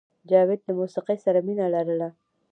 جاوید له موسیقۍ سره مینه لرله